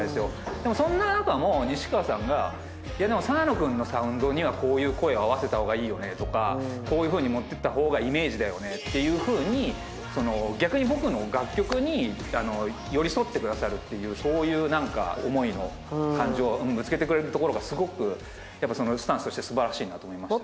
でもそんななか西川さんがでも澤野くんのサウンドにはこういう声合わせたほうがいいよねとかこういうふうに持っていったほうがイメージだよねっていうふうに逆に僕の楽曲に寄り添ってくださるっていうそういう思いの感情をぶつけてくれるところがすごくそのスタンスとしてすばらしいなと思いました。